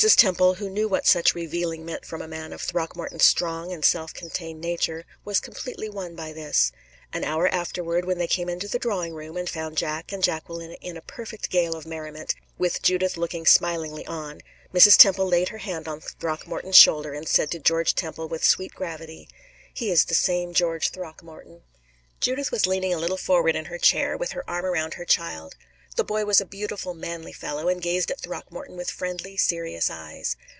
Temple, who knew what such revealing meant from a man of Throckmorton's strong and self contained nature, was completely won by this. An hour afterward, when they came into the drawing room, and found Jack and Jacqueline in a perfect gale of merriment, with Judith looking smilingly on, Mrs. Temple laid her hand on Throckmorton's shoulder, and said to General Temple, with sweet gravity, "He is the same George Throckmorton." Judith was leaning a little forward in her chair, with her arm around her child. The boy was a beautiful, manly fellow, and gazed at Throckmorton with friendly, serious eyes.